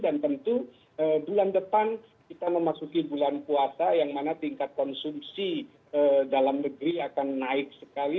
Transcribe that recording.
dan tentu bulan depan kita memasuki bulan puasa yang mana tingkat konsumsi dalam negeri akan naik sekali